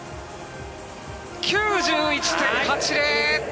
９１．８０！